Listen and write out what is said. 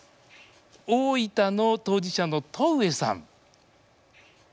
大分の当事者の戸上さん。